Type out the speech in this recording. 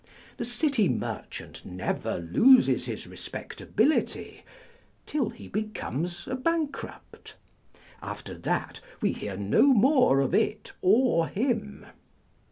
The city merchant never loses his respectability till he becomes a bankrupt. On Eespectdble People. 511 After that, we hear no more of it or him.